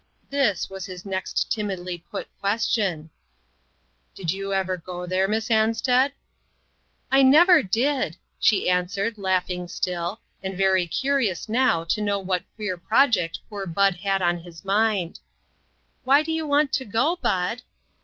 This was his next timidly put question :" Did you ever go there, Miss Ansted ?"" I never did," she answered, laughing still, and very curious now to know what queer project poor Bud had on his mind. " Why do you want to go, Bud?"